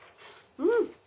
うん。